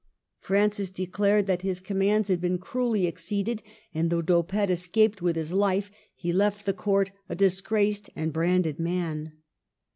Francis de clared that his commands had been cruelly exceeded ; and though D'Oppede escaped with his hfe, he left the Court a disgraced and branded man.